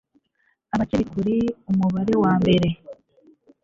Abakiri kuri Umubare wa mbere